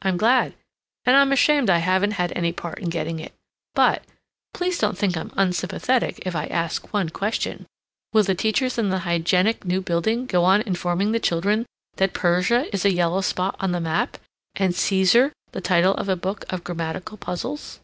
"I'm glad. And I'm ashamed I haven't had any part in getting it. But Please don't think I'm unsympathetic if I ask one question: Will the teachers in the hygienic new building go on informing the children that Persia is a yellow spot on the map, and 'Caesar' the title of a book of grammatical puzzles?"